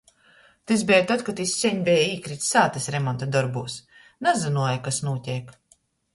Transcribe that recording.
Tys beja tod, kod jis seņ beja īkrits sātys remonta dorbūs - nazynuoja, kas nūteik.